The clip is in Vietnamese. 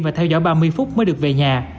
và theo dõi ba mươi phút mới được về nhà